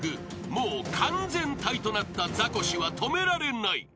［もう完全体となったザコシは止められない］